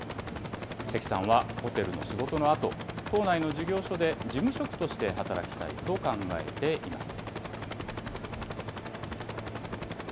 碩さんはホテルの仕事のあと、島内の事業所で事務職として働きたいと考えています。